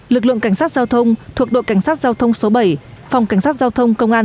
lực lượng cảnh sát giao thông thuộc đội cảnh sát giao thông số bảy phòng cảnh sát giao thông công an